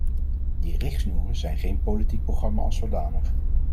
Die richtsnoeren zijn geen politiek programma als zodanig.